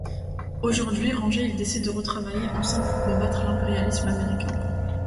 Aujourd'hui rangés, ils décident de retravailler ensemble pour combattre l'impérialisme américain.